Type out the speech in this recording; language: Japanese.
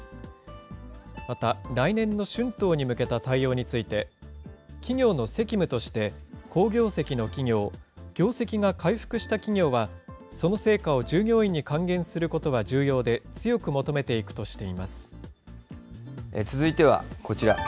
また来年の春闘に向けた対応について、企業の責務として、好業績の企業、業績が回復した企業は、その成果を従業員に還元することは重要で、強く求めていくとして続いてはこちら。